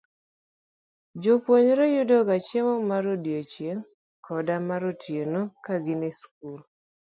Jopuonjre yudoga chiemo mar odiechieng' koda mar otieno ka gin e skul.